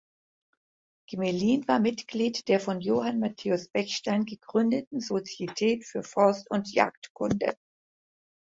Gmelin war Mitglied der von Johann Matthäus Bechstein gegründeten „Societät für Forst- und Jagdkunde“.